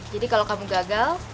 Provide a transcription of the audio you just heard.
jadi kalau kamu gagal